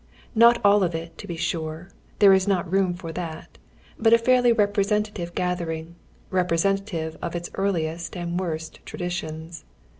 Not all of it, to he enre, there is not room for that ; but a fairly repi esentative gathering, representative o£ its earliest and worst tradi tions.